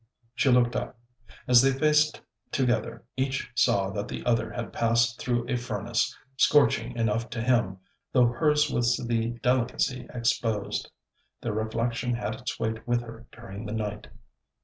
She looked up. As they faced together each saw that the other had passed through a furnace, scorching enough to him, though hers was the delicacy exposed. The reflection had its weight with her during the night.